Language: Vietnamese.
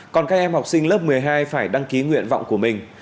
còn các em học sinh lớp một mươi hai phải đăng ký nguyện vọng của mình